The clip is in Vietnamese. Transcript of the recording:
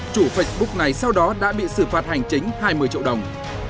chủ facebook này sau đó đã bị xử phạt hành chính hai mươi triệu đồng